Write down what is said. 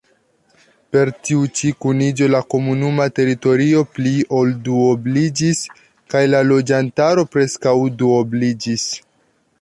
Per tiu-ĉi kuniĝo la komunuma teritorio pli ol duobliĝis kaj la loĝantaro preskaŭ duobliĝis.